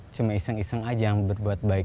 cuma iseng iseng aja berbuat baik